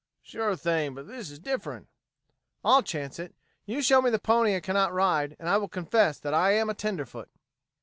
"Sure thing, but this is different." "I'll chance it. You show me the pony I cannot ride, and I will confess that I am a tenderfoot."